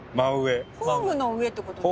ホームの上ってことですか？